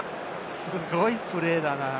すごいプレーだな。